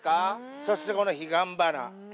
そしてこのヒガンバナ。